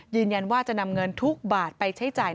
ยืนยันว่าจะนำเงินทุกบาทไปใช้จ่าย